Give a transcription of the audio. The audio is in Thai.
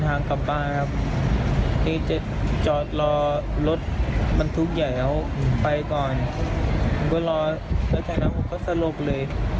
มันก็รอแล้วจากนั้นผมก็สลบเลย